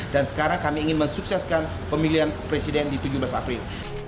dan sekarang kami ingin mensukseskan pemilihan presiden di tujuh belas april